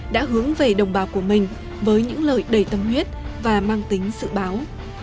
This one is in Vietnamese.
đã hướng về đồng bào của mình với những lời đầy tâm huyết và mang tính dự báo